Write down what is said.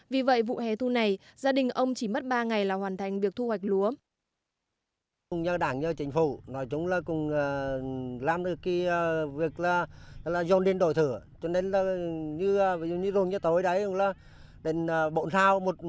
vì vậy vụ hè thu này gia đình ông chỉ mất ba ngày là hoàn thành việc thu hoạch lúa